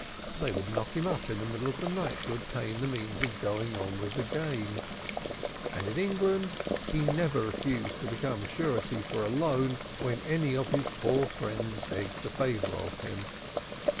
They would knock him up in the middle of the night to obtain the means of going on with the game. And in England he never refused to become surety for a loan when any of his poor friends begged the favor of him.